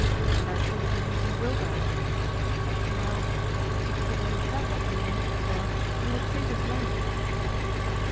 And I truly believe he will die. Now, if you could let him have that million, Dad, you would save his life.